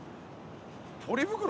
ポリ袋？